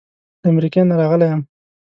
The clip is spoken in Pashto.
له امریکې نه راغلی یم.